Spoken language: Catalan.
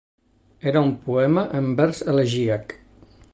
Era un poema en vers elegíac.